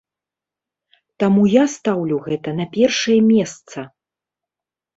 Таму я стаўлю гэта на першае месца.